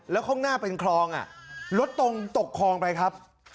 แล้วข้างหน้าเป็นคลองรถตรงตกคลองไปครับ